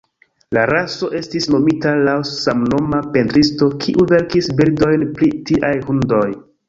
La raso estis nomita laŭ samnoma pentristo, kiu verkis bildojn pri tiaj hundoj.